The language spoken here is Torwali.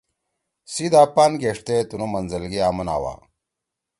سیِدا پان گیݜتے تنُو منزل گے آمن آوا۔